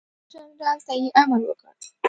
ګورنرجنرال ته یې امر وکړ.